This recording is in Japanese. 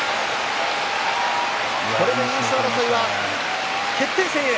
これで優勝争いは決定戦へ。